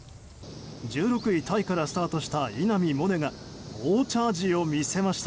１６位タイからスタートした稲見萌寧が猛チャージを見せました。